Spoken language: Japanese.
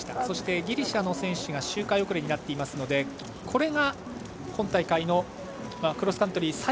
そしてギリシャの選手が周回遅れになっていますのでこれが今大会のクロスカントリー